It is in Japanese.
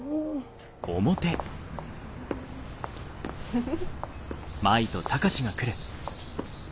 フフフ。